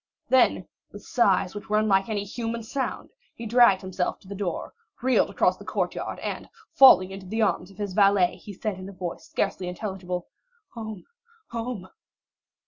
Then, with sighs which were unlike any human sound, he dragged himself to the door, reeled across the courtyard, and falling into the arms of his valet, he said in a voice scarcely intelligible,—"Home, home."